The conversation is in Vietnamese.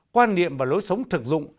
quan niệm và lối sống thực dụng